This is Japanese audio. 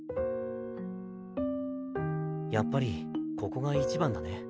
やっぱりここがいちばんだね。